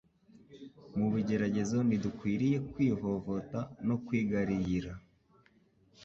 Mu bigeragezo ntidukwiriye kwivovota no kwigariyira